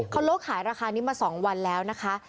เคอนโลกขายราคานี้มาสองวันแล้วนะคะ